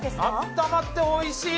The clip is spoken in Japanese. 温まっておいしい！